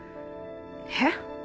えっ？